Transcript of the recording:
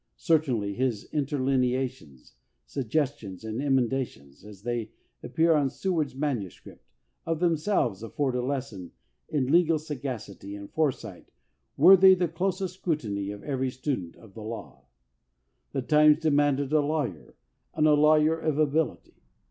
Certainly his inter lineations, suggestions, and emendations, as they appear on Seward's manuscript, of themselves afford a lesson in legal sagacity and foresight worthy the closest scrutiny of every student of the law. The times demanded a lawyer, and a lawyer of ability.